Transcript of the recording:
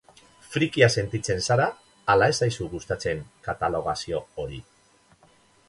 Frikia sentitzen zara ala ez zaizu gustatzen katalogazio hori?